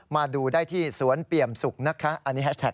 มาดูได้ที่สวนเปี่ยมสุกนะคะอันนี้แฮชแท็